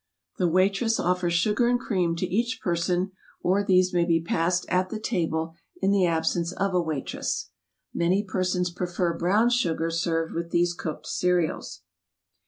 The waitress offers sugar and cream to each person, or these may be passed at the table in the absence of a waitress. Many persons prefer brown sugar served with these cooked cereals.